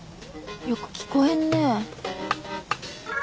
よく聞こえんね。